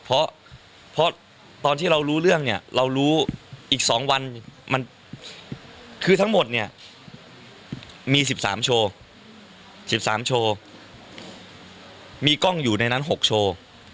เพราะตอนที่เรารู้เรื่องเนี่ยเรารู้อีก๒วันมันคือทั้งหมดเนี่ยมี๑๓โชว์๑๓โชว์มีกล้องอยู่ในนั้น๖โชว์